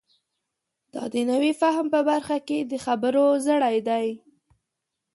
دا د نوي فهم په برخه کې د خبرو زړی دی.